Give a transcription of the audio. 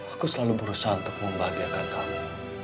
aku selalu berusaha untuk membahagiakan kamu